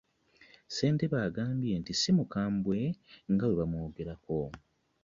Ssentebe agambye nti si mukambwe nga bwe bamwogerako